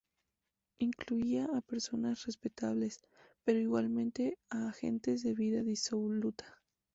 Incluía a personas respetables, pero igualmente a gentes de vida disoluta.